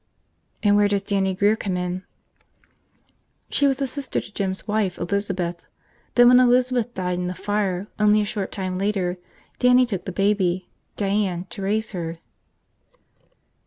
"And where does Dannie Grear come in?" "She was a sister to Jim's wife, Elizabeth. Then when Elizabeth died in the fire only a short time later, Dannie took the baby, Diane, to raise her."